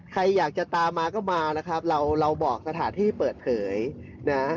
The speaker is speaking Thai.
ใครอยากจะตามมาก็มานะครับเราเราบอกสถานที่เปิดเผยนะ